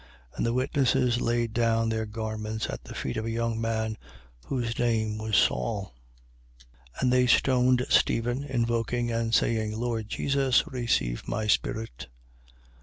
And the witnesses laid down their garments at the feet of a young man, whose name was Saul. 7:58. And they stoned Stephen, invoking and saying: Lord Jesus, receive my spirit.